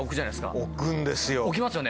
置くんですよ。